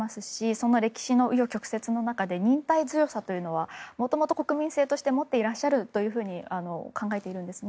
そんな歴史の紆余曲折の中で忍耐強さというのは元々、国民性として持っていらっしゃると考えているんですね。